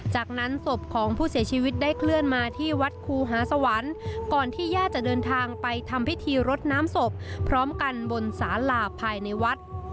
จากนั้นศพของผู้เสียชีวิตได้เคลื่อนมาที่วัดครูหาสวรรค์ก่อนที่ญาติจะเดินทางไปทำพิธีรดน้ำศพพร้อมกันบนสาหลาบภายในวัด